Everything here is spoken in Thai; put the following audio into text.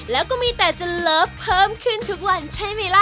แล้วก็มีแต่จะเลิฟเพิ่มขึ้นทุกวันใช่ไหมล่ะ